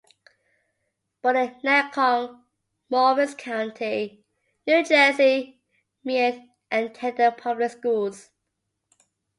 Born in Netcong, Morris County, New Jersey, Meade attended the public schools.